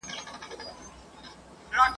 څو شېبو هوښیاری سره ساه ورکړي !.